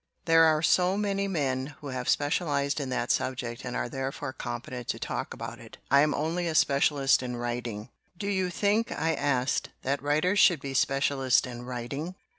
"There are so many men who have specialized in that sub ject and are therefore competent to talk about it. I am only a specialist in writing." "Do you think," I asked, "that writers should be specialists in writing?